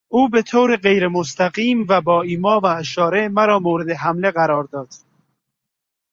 او به طور غیرمستقیم و با ایما و اشاره مرا مورد حمله قرار داد.